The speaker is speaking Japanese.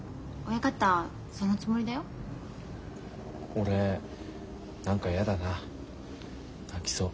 俺何かやだな泣きそう。